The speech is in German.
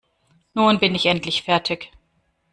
Nun bin ich endlich fertig.